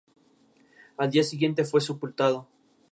Recuperando el presupuesto invertido.